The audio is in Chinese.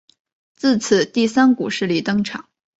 自此第三股势力登场。